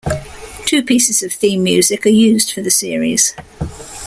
Two pieces of theme music are used for the series.